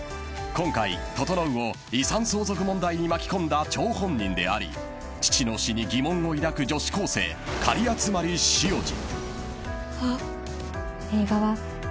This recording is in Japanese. ［今回整を遺産相続問題に巻き込んだ張本人であり父の死に疑問を抱く女子高生狩集汐路］